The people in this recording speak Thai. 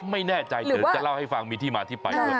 ไม่แน่ใจจะเล่าให้ฟังมีที่มาที่ไป